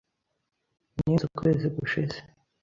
Nimutse ukwezi gushize.